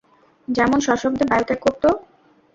যেমন সশব্দে বায়ু ত্যাগ করত।